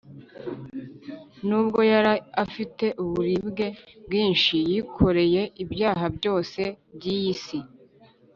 nubwo yari afite uburibwe bwinshi, yikoreye ibyaha byose by’iyi si,